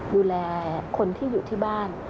ดูแลคนที่อยู่ที่บ้าน